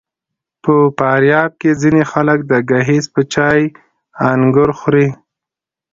په فاریاب کې ځینې خلک د ګیځ په چای انګور خوري.